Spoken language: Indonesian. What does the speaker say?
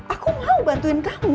aku mau bantuin kamu